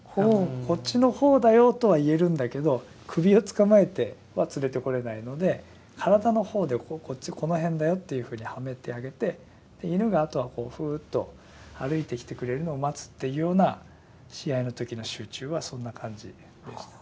こっちの方だよとは言えるんだけど首をつかまえては連れてこれないので体の方でこっちこの辺だよっていうふうにはめてあげて犬があとはフーッと歩いてきてくれるのを待つというような試合の時の集中はそんな感じでした。